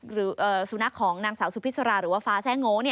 หรือสุนัขของนางสาวสุพิษราหรือว่าฟ้าแซ่โง่